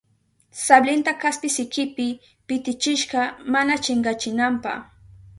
Sablinta kaspi sikipi pitichishka mana chinkachinanpa.